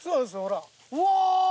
うわ。